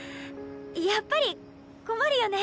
やっぱり困るよね。